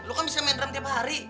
lo kan bisa main drum tiap hari